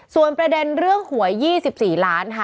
ส่วนประเด็นเรื่องหวย๒๔ล้านค่ะ